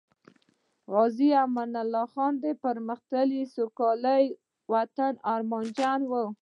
غازی امان الله خان د پرمختللي، سوکالۍ وطن ارمانجن وو